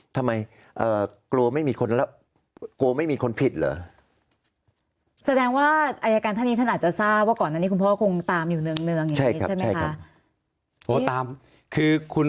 ทำไมกลัวไม่มีคนผิดเหรอ